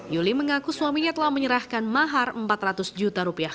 yuli mengaku suaminya telah menyerahkan mahar empat ratus juta rupiah